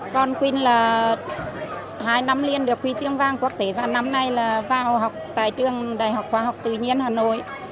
con quynh là hai năm liên được huy tiêm vang quốc tế và năm nay là vào học tại trường đại học khoa học tự nhiên hà nội